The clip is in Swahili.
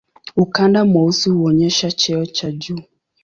Ukanda mweusi huonyesha cheo cha juu.